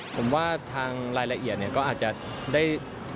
ผมว่าทางรายละเอียดเนี่ยก็อาจจะได้